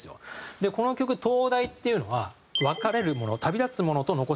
でこの曲『灯台』っていうのは別れるもの旅立つものと残されたもの。